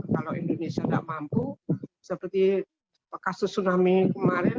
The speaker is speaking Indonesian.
kalau indonesia tidak mampu seperti kasus tsunami kemarin